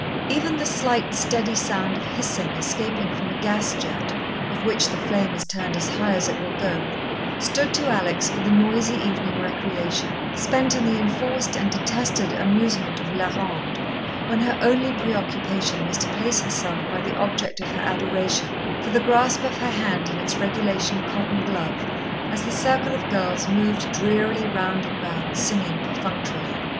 Even the slight, steady sound of hissing escaping from a gas jet of which the flame is turned as high as it will go, stood to Alex for the noisy evening recreation, spent in the enforced and detested amusement of la ronde, when her only preoccupation was to place herself by the object of her adoration, for the grasp of her hand in its regulation cotton glove, as the circle of girls moved drearily round and round singing perfunctorily.